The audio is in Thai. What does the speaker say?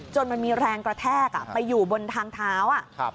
มันมีแรงกระแทกไปอยู่บนทางเท้า